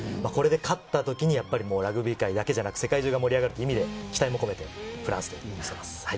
勝ったときに、ラグビー界だけじゃなく、世界中が盛り上がるという意味で期待も込めてフランスとしてます。